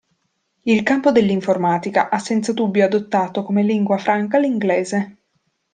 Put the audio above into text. Il campo dell'informatica ha senza dubbio adottato come lingua franca l'inglese.